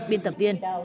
biên tập viên